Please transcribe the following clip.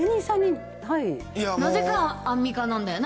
なぜかアンミカなんだよな。